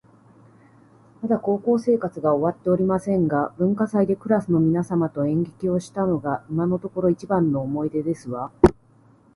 まだ高校生活が終わっておりませんが、文化祭でクラスの皆様と演劇をしたのが今のところ一番の思い出ですわ